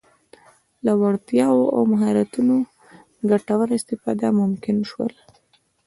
له وړتیاوو او مهارتونو ګټوره استفاده ممکن شول.